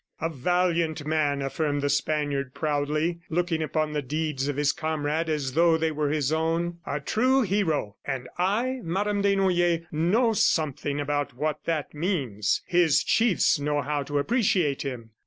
"A valiant man!" affirmed the Spaniard proudly, looking upon the deeds of his comrade as though they were his own. "A true hero! and I, Madame Desnoyers, know something about what that means. ... His chiefs know how to appreciate him."